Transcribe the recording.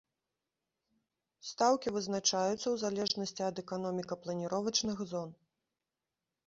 Стаўкі вызначаюцца ў залежнасці ад эканоміка-планіровачных зон.